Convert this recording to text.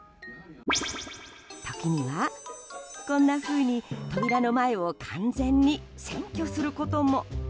時には、こんなふうに扉の前を完全に占拠することも。